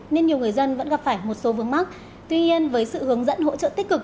nên nhiều người dân vẫn gặp phải một số vướng mắt tuy nhiên với sự hướng dẫn hỗ trợ tích cực